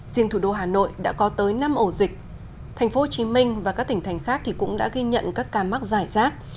riêng thủ đô hà nội đã có tới năm ổ dịch thành phố hồ chí minh và các tỉnh thành khác cũng đã ghi nhận các ca mắc giải rác